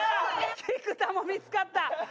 菊田も見つかった！